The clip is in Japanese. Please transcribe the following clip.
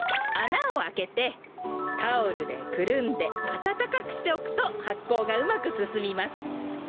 あなをあけてタオルでくるんであたたかくしておくとはっこうがうまくすすみます。